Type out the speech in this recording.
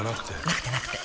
なくてなくて